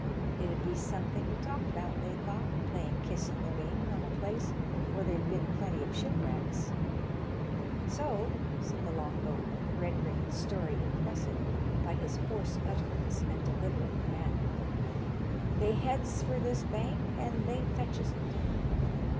It 'u'd be something I 'LONGSHOBEMAirS TARNS. 155 to talk about, they thought, playing kiss in the ring on a place where there'd been plenty of shipwrecks. So," said the long boatman, rendering bis story impressive by his hoarse utterance and deliberate manner, '* they heads for this bank and they fetches it.